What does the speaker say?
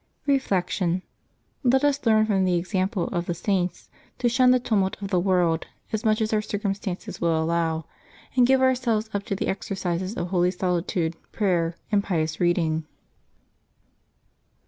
Reflection. — Let us learn from the example of the Saints to shun the tumult of the world as much as our Apbil 2] LIVES OF THE SAINTS 133 circumstances will allow, and give ourselves up to the exer cises of holy solitude, prayer, and pious reading.